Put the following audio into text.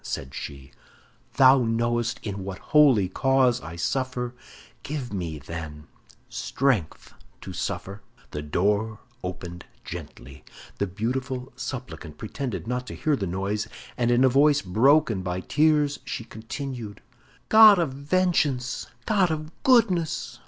said she, "thou knowest in what holy cause I suffer; give me, then, strength to suffer." The door opened gently; the beautiful supplicant pretended not to hear the noise, and in a voice broken by tears, she continued: "God of vengeance! God of goodness!